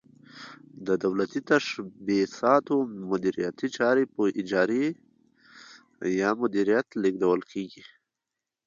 د دولتي تشبثاتو مدیریتي چارې په اجارې یا مدیریت لیږدول کیږي.